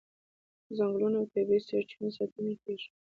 د ځنګلونو او طبیعي سرچینو ساتنه کیږي.